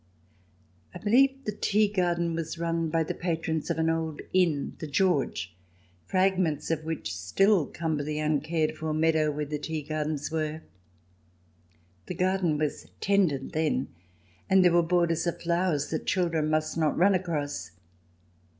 I believe the tea garden was run by the patrons of an old inn, " The George," fragments of which still cumber the uncared for meadow where the tea gardens were. The garden was tended then, and there were borders of flowers that children must not run across.